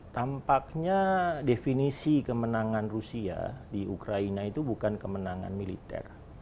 tampaknya definisi kemenangan rusia di ukraina itu bukan kemenangan militer